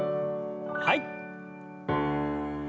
はい。